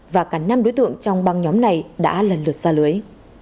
và cả năm đối tượng trong băng nhóm này đã lần lượt ra lưới